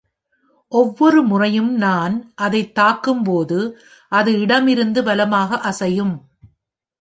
ஒவ்வொரு முறையும் நான் அதைத் தாக்கும் போது, அது இடமிருந்து வலமாக அசையும்.